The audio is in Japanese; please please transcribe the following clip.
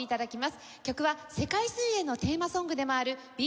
曲は世界水泳のテーマソングでもあるＢ